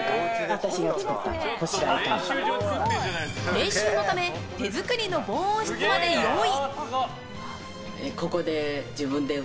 練習のため手作りの防音室まで用意。